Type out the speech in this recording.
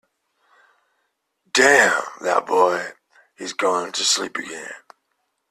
Damn that boy, he’s gone to sleep again.